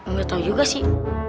gak tau juga sih